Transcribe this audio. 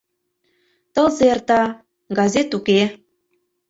Тылзе эрта — газет уке.